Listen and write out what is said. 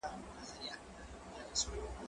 زه اوږده وخت د ښوونځی لپاره امادګي نيسم وم!.